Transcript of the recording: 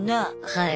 はい。